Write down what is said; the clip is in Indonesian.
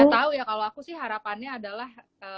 udah tau ya kalau aku sih harapannya adalah